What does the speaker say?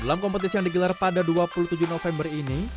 dalam kompetisi yang digelar pada dua puluh tujuh november ini